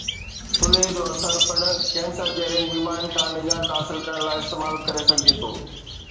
ٿلهي جو اثر پڻ ڪينسر جهڙين بيمارين کان نجات حاصل ڪرڻ لاءِ استعمال ڪري سگهجي ٿو